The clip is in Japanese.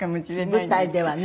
舞台ではね。